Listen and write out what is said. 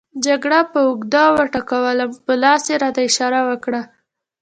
جګړن پر اوږه وټکولم، په لاس یې راته اشاره وکړه.